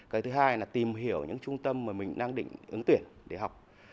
cái thứ hai là tìm hiểu những trung tâm mà mình đang định ứng tuyển để học